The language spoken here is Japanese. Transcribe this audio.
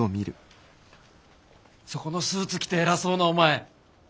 そこのスーツ着て偉そうなお前。